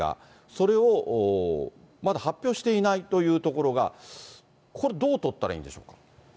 それをまだ発表していないというところが、これ、どう取ったらいいんでしょう。